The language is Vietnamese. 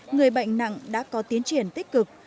người bệnh nặng đã có tiến triển tích cực